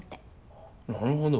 あっなるほど。